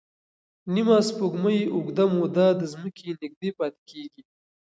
نیمه سپوږمۍ اوږده موده د ځمکې نږدې پاتې کېږي.